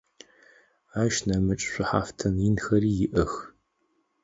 Ащ нэмыкӏ шӏухьафтын инхэри иӏэх.